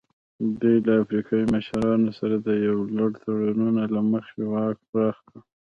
دوی له افریقایي مشرانو سره د یو لړ تړونونو له مخې واک پراخ کړ.